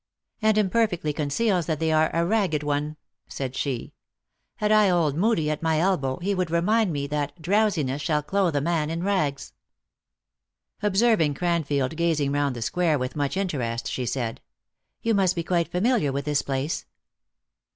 " And imperfectly conceals that they are a ragged one," said she. "Had I old Moodie at my elbow, lie would remind me that drowsiness shall clothe a man in rags. Observing Cranfield gazing round the square with much interest, she said :" You must be quite familiar with this place."